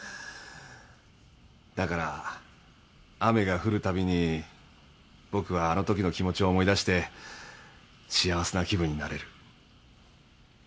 だから雨が降るたびに僕はあのときの気持ちを思い出して幸せな気分になれる。